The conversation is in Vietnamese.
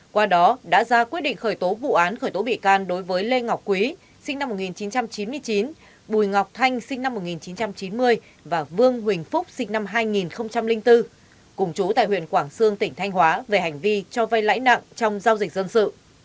qua đó đã ra quyết định khởi tố vụ án khởi tố bị can đối với lê ngọc quý sinh năm một nghìn chín trăm chín mươi chín bùi ngọc thanh sinh năm một nghìn chín trăm chín mươi và vương huỳnh phúc sinh năm hai nghìn bốn cùng chú tại huyện quảng sương tỉnh thanh hóa về hành vi cho vay lãi nặng trong giao dịch dân sự